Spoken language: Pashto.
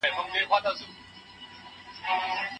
خپله دنده په اخلاص سره سرته ورسوه.